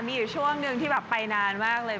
มีอยู่ช่วงหนึ่งที่แบบไปนานมากเลย